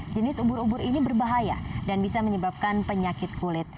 jenis ubur ubur ini berbahaya dan bisa menyebabkan penyakit kulit